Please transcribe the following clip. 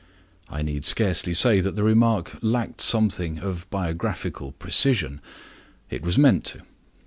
I need scarcely say that the remark lacked something of biographical precision; it was meant to.